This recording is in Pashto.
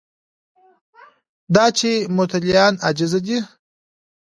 دا چې متولیان عاجزه دي